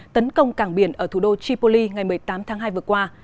tấn công cảng biển ở thủ đô tripoli ngày một mươi tám tháng hai vừa qua